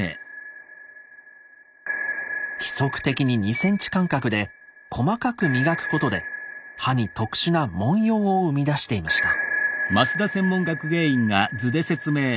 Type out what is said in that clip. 規則的に２ｃｍ間隔で細かく磨くことで刃に特殊な文様を生み出していました。